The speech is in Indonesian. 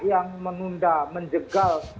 yang menunda menjegal